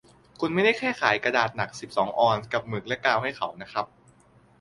คุณไม่ได้แค่ขายกระดาษหนักสิบสองออนซ์กับหมึกและกาวให้เขานะครับ